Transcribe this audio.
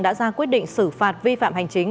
đã ra quyết định xử phạt vi phạm hành chính